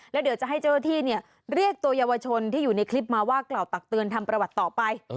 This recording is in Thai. แล้วเดี๋ยวจะให้เจ้าหน้าที่เรียกตัวเยาวชนที่อยู่ในคลิปมาว่ากล่าวตักเตือนทำประวัติต่อไป